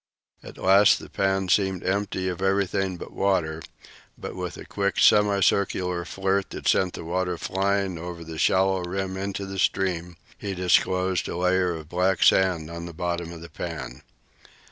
At last the pan seemed empty of everything but water; but with a quick semi circular flirt that sent the water flying over the shallow rim into the stream, he disclosed a layer of black sand on the bottom of the pan.